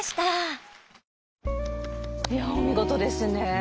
いやお見事ですね